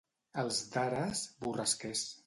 Els d'Ares, borrasquers.